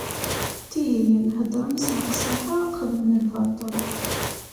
Ttihiyen, heddren s leqsaḥa, ad xedmen lbaṭel.